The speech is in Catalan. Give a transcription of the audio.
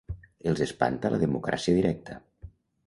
Els espanta la democràcia directa.